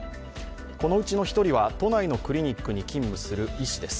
このうちの１人は都内のクリニックに勤務する医師です。